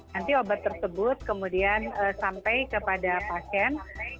nanti obat tersebut kemudian sampai kepada pasien